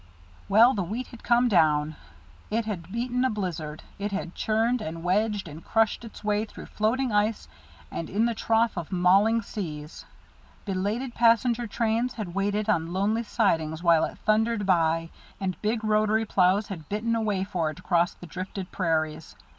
Well, the wheat had come down. It had beaten a blizzard, it had churned and wedged and crushed its way through floating ice and in the trough of mauling seas; belated passenger trains had waited on lonely sidings while it thundered by, and big rotary ploughs had bitten a way for it across the drifted prairies.